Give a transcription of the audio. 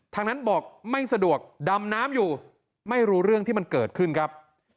ทางนั้นบอกไม่สะดวกดำน้ำอยู่ไม่รู้เรื่องที่มันเกิดขึ้นครับ